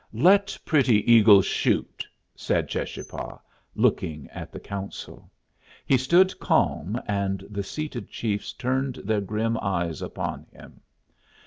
"Let Pretty Eagle shoot," said Cheschapah, looking at the council. He stood calm, and the seated chiefs turned their grim eyes upon him.